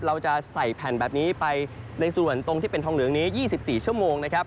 เราจะใส่แผ่นแบบนี้ไปในส่วนตรงที่เป็นทองเหลืองนี้๒๔ชั่วโมงนะครับ